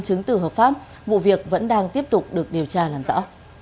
chứng tử hợp pháp vụ việc vẫn đang tiếp tục được điều tra làm rõ